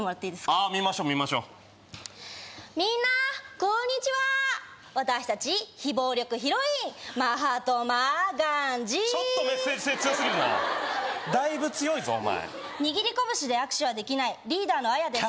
ああー見ましょう見ましょうみんなこんにちは私たち非暴力ヒロインマハトマ・ガンジーちょっとメッセージ性強すぎるなだいぶ強いぞお前握り拳で握手はできないリーダーのアヤです